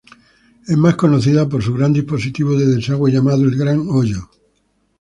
Es más conocida por su gran dispositivo de desagüe, llamado "El Gran Hoyo".